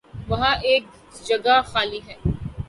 وہاں ایک جگہ خالی ہے۔